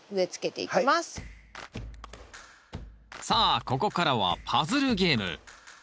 さあここからはパズルゲーム。